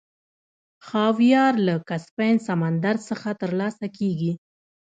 خاویار له کسپین سمندر څخه ترلاسه کیږي.